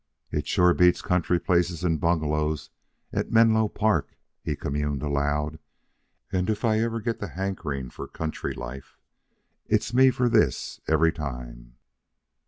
"It sure beats country places and bungalows at Menlo Park," he communed aloud; "and if ever I get the hankering for country life, it's me for this every time."